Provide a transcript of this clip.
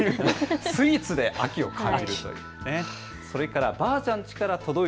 スイーツで秋を感じるという。